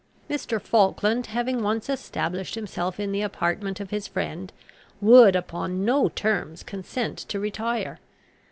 Mr. Falkland having once established himself in the apartment of his friend, would upon no terms consent to retire.